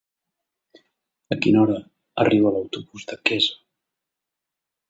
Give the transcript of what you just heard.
A quina hora arriba l'autobús de Quesa?